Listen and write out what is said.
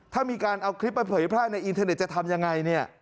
ถ้ามีการเอาคลิปมาเผยแพร่ในอินเทอร์เน็ตจะทำยังไงเนี่ย